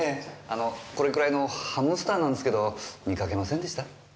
あのこれくらいのハムスターなんすけど見かけませんでした？